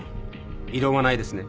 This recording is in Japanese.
異論はないですね？